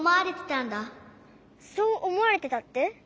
「そうおもわれてた」って？